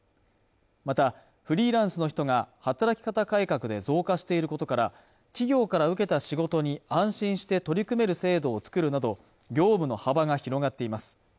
またフリーランスの人が働き方改革で増加していることから企業から受けた仕事に安心して取り組める制度を作るなど業務の幅が広がっています